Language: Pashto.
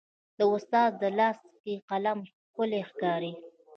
د استاد لاس کې قلم ښکلی ښکاري.